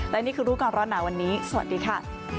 และนี่คือรู้ก่อนร้อนหนาวันนี้สวัสดีค่ะ